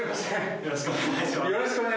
よろしくお願いします。